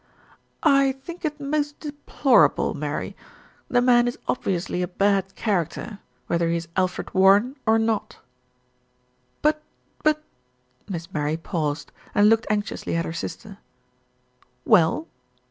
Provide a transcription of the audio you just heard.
"I think it most deplorable, Mary. The man is obvi ously a bad character, whether he is Alfred Warren or not." "But but," Miss Mary paused, and looked anx iously at her sister. "Well?"